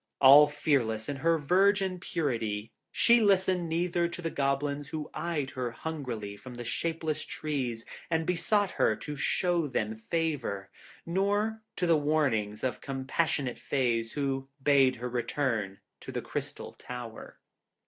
All fearless in her virgin purity, she listened neither to the Goblins who eyed her hungrily from the shapeless trees and besought her to show them favour, nor to the warnings of compassionate Fays who bade her return to the Crystal Tower.